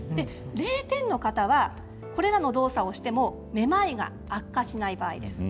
０点の方はこれらの動作をしてもめまいが悪化しない場合です。